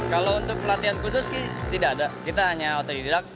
kalau untuk pelatihan khusus sih tidak ada kita hanya otodidak